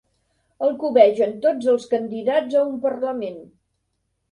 El cobegen tots els candidats a un Parlament.